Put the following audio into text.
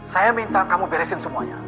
saya minta kamu beresin semuanya